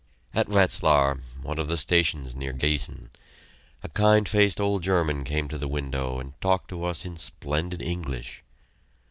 At Wetzlar, one of the stations near Giessen, a kind faced old German came to the window and talked to us in splendid English.